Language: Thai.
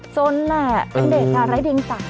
ซนอ่ะเกินเด็กรายเดี่ยงสา